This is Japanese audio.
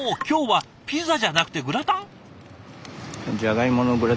今日はピザじゃなくてグラタン？